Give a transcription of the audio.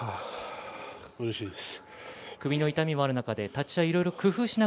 うれしいです。